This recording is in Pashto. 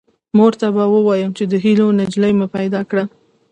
مور ته به ووایم چې د هیلو نجلۍ مې پیدا کړه